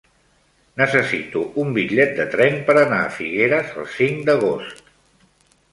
Necessito un bitllet de tren per anar a Figueres el cinc d'agost.